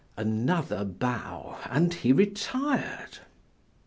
Another bow, and he retired.